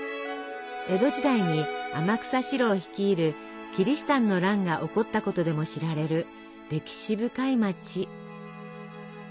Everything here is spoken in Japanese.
江戸時代に天草四郎率いるキリシタンの乱が起こったことでも知られる歴史深い町。